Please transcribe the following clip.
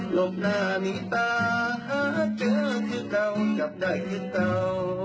หลบหน้านี้ตาหาเจอคือเต่าจับใดคือเต่า